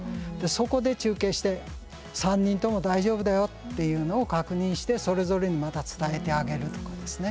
そこで中継して３人とも大丈夫だよっていうのを確認してそれぞれにまたつなげてあげるとかですね。